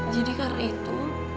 jadi karena itu